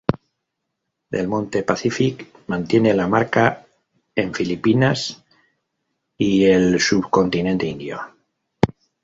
Del Monte Pacific mantiene la marca en Filipinas y el subcontinente indio.